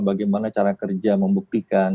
bagaimana cara kerja membuktikan